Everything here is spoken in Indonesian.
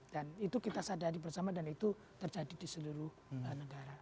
dan itu kita sadari bersama dan itu terjadi di seluruh negara